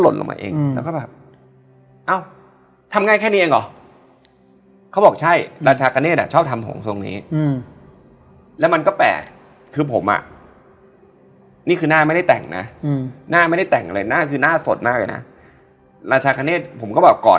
เรายังเราก็เริ่มเถียงเถียงว่ากินได้อืมมั่นใจมาก